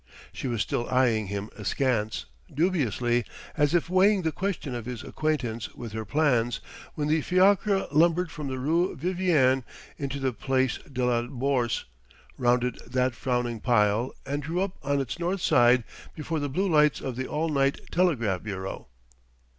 She was still eyeing him askance, dubiously, as if weighing the question of his acquaintance with her plans, when the fiacre lumbered from the rue Vivienne into the place de la Bourse, rounded that frowning pile, and drew up on its north side before the blue lights of the all night telegraph bureau.